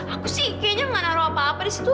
aku sih kayaknya gak naruh apa apa di situ